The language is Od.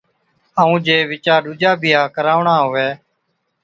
ائُون جي وِچا ڏُوجا بِيھا ڪراوڻا ھُوي